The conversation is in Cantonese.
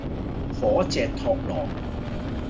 火炙托羅